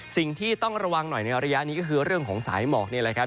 สิ่งที่ต้องระวังหน่อยในระยะนี้ก็คือเรื่องของสายหมอกนี่แหละครับ